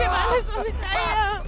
pak maafkan suami saya